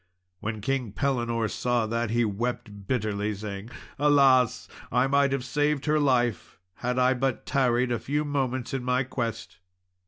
When King Pellinore saw that, he wept bitterly, saying, "Alas! I might have saved her life had I but tarried a few moments in my quest."